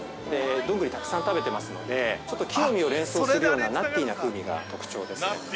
どんぐりをたくさん食べてますのでちょっと木の実を連想するようなナッティーな風味が特徴ですね。